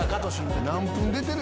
何分出てる？